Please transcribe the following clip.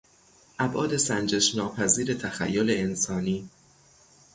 ابعاد سنجش ناپذیر تخیل انسانی